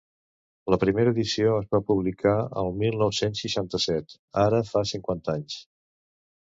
La primera edició es va publicar el mil nou-cents seixanta-set, ara fa cinquanta anys.